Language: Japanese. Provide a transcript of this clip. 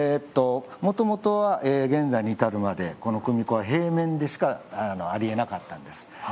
もともとは現在に至るまでこの組子は平面でしかありえなかったんです。